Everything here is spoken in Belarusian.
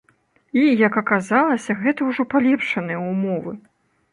І, як аказалася, гэта ўжо палепшаныя ўмовы!